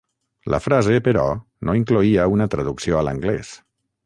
La frase, però, no incloïa una traducció a l'anglès.